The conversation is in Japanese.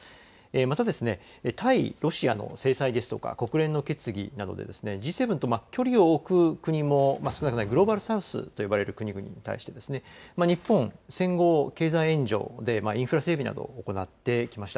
また、対ロシアの制裁ですとか、国連の決議などでＧ７と距離を置く国も少なくない、グローバル・サウスと呼ばれる国々に対して、日本、戦後経済援助でインフラ整備などを行ってきました。